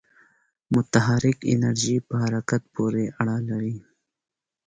متحرک انرژی په حرکت پورې اړه لري.